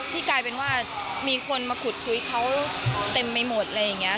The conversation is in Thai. กลายเป็นว่ามีคนมาขุดคุยเขาเต็มไปหมดอะไรอย่างนี้